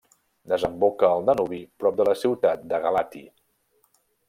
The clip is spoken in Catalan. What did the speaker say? Desemboca al Danubi prop de la ciutat de Galaţi.